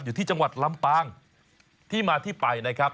อยู่ที่จังหวัดลำปางที่มาที่ไปนะครับ